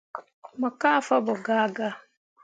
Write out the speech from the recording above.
Mo kah fabo gaa gaa.